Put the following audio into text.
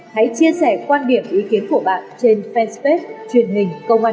hãy chia sẻ quan điểm ý kiến của bạn trên fanpage truyền hình công an nhân dân